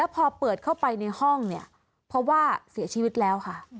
พอเปิดเข้าไปในห้องเพราะเสียชีวิตแล้วค่ะ